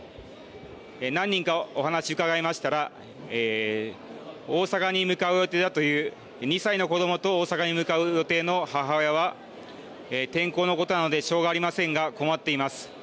何人か、お話伺いましたら大阪に向かう予定だという２歳の子どもと大阪に向かう予定の母親は天候のことなのでしょうがありませんが困っています。